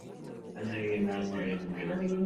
Anege nag'o en be?